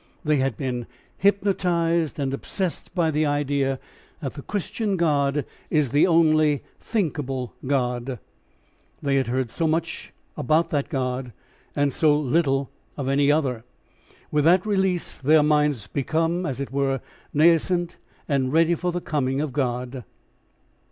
They had been hypnotised and obsessed by the idea that the Christian God is the only thinkable God. They had heard so much about that God and so little of any other. With that release their minds become, as it were, nascent and ready for the coming of God.